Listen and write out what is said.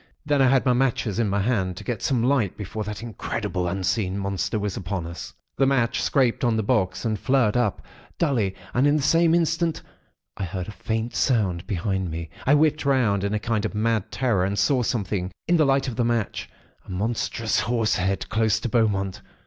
Then I had my matches in my hand, to get some light before that incredible, unseen Monster was upon us. "The match scraped on the box, and flared up, dully; and in the same instant, I heard a faint sound behind me. I whipped round, in a kind of mad terror, and saw something, in the light of the match—a monstrous horse head, close to Beaumont.